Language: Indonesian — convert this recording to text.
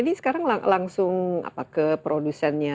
jadi sekarang langsung apa ke produsennya